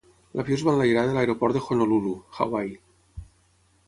L'avió es va enlairar de l'aeroport de Honolulu, Hawaii.